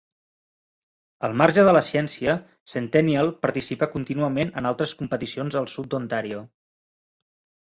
Al marge de la ciència, Centennial participa contínuament en altres competicions al sud d'Ontario.